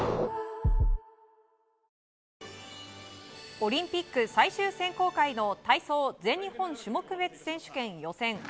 オリンピック最終選考会の体操全日本種目別選手権予選。